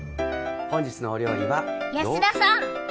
本日のお料理は安田さん！